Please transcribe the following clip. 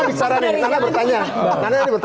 balom saya sedikit